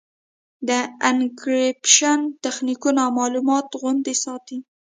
د انکریپشن تخنیکونه معلومات خوندي ساتي.